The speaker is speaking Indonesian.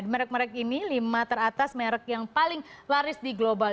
merk merk ini lima teratas merk yang paling laris di global